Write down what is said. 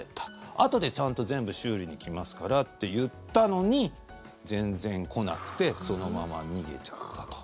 あとでちゃんと全部修理に来ますからと言ったのに全然来なくてそのまま逃げちゃったと。